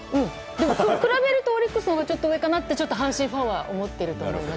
でも比べるとオリックスのほうがちょっと上かなって阪神ファンは思っていると思います。